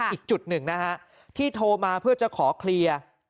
อีกจุดหนึ่งนะฮะที่โทรมาเพื่อจะขอเคลียร์